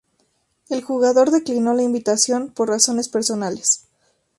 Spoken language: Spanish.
El jugador declinó la invitación por razones personales.